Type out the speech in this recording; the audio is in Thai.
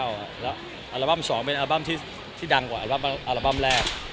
แล้วอัลบั้ม๒เป็นอัลบั้มที่ดังกว่าอัลบั้มแรก